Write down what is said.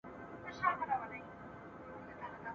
هم بچی اندام اندام دی هم ابا په وینو سور دی !.